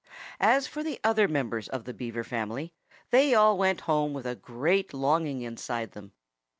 As for the other members of the Beaver family, they all went home with a great longing inside them.